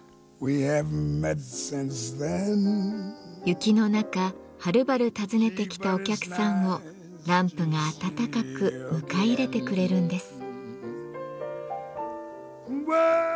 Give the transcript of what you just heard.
雪の中はるばる訪ねてきたお客さんをランプがあたたかく迎え入れてくれるんです。